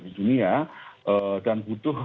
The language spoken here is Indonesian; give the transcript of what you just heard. di dunia dan butuh